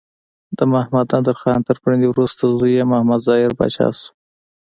د محمد نادر خان تر مړینې وروسته زوی یې محمد ظاهر پاچا شو.